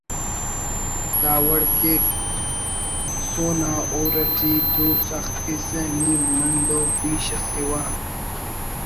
داوڑ کیک: ”ہسون آ ہور اٹی دو سخت کیسہ نی منڈ ءُ بیش اسے وا